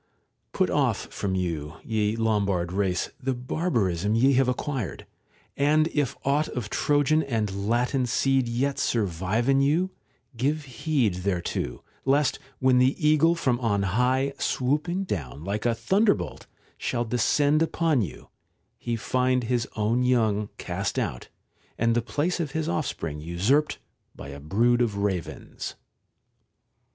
Put off from you, ye Lombard race, the barbarism ye have acquired, and if aught of Trojan and Latin seed yet survive in you, give heed thereto, lest when the eagle from on high, swooping down like a thunderbolt, shall 1 See p. 49, n. 6. 60 LETTERS OF DANTE descend upon you, he find his own young cast out, and the place of his offspring usurped by a brood of ravens.